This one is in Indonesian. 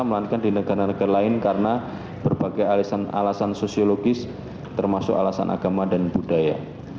melainkan di negara negara lain karena berbagai alasan sosiologis termasuk alasan agama dan budaya